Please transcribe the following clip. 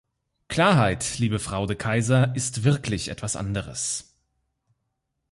Klarheit, liebe Frau De Keyser, ist wirklich etwas anderes!